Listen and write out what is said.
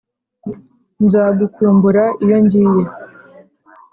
nzagukumbura iyo ngiye,